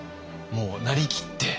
もうなりきって。